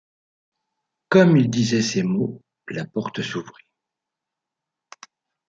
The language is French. Comme il disait ces mots, la porte s’ouvrit.